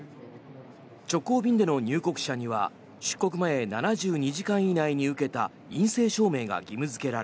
直行便での入国者には出国前７２時間以内に受けた陰性証明が義務付けられ